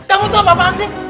kamu tuh apa apaan sih